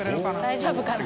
大丈夫かな？